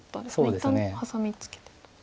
一旦ハサミツケてと。